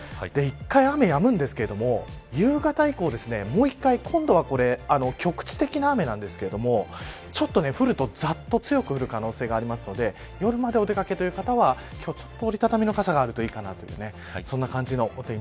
１回、雨やむんですけど夕方以降もう一回今度は局地的な雨なんですけどちょっと降るとざっと強く降る可能性があるので夜までお出掛けという方は今日、折り畳みの傘がある方がいいと思います。